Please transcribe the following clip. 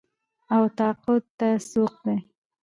او تقاعد ته سوق دي